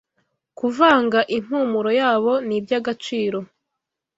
Kuvanga impumuro yabo ni ibyagaciro